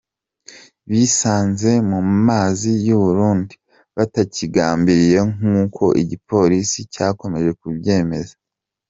Bisanze mu mazi y’u Burundi batabigambiriye nk’uuko igipolisi cyakomeje kibyemeza.